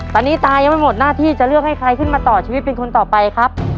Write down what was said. ตอนนี้ตายังไม่หมดหน้าที่จะเลือกให้ใครขึ้นมาต่อชีวิตเป็นคนต่อไปครับ